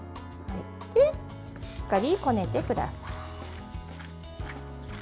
しっかりこねてください。